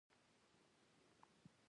شیخ د ژړا او فریاد د علت پوښتنه وکړه.